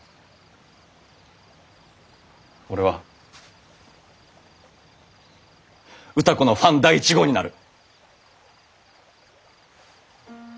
俺は歌子のファン第１号になる。